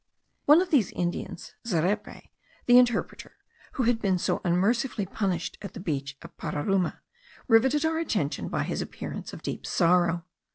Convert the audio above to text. One of these Indians, Zerepe, the interpreter, who had been so unmercifully punished at the beach of Pararuma, rivetted our attention by his appearance of deep sorrow.